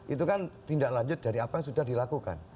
itu kan tindak lanjut dari apa yang sudah dilakukan